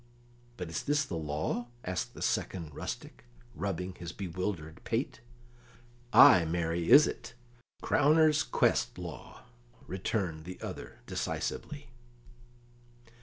"But is this law?" asked the second rustic, rubbing his bewildered pate. "Ay, marry, is it; crowner's quest law," returned the other decisively.